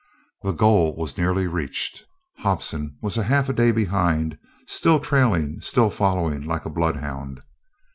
The goal was nearly reached. Hobson was half a day behind, still trailing, still following like a bloodhound.